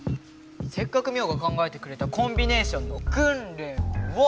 せっかくミオが考えてくれたコンビネーションのくんれんを。